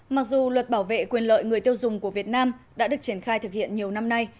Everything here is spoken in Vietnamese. mặc dù luật bảo vệ quyền lợi người tiêu dùng của việt nam đã được triển khai thực hiện nhiều năm nay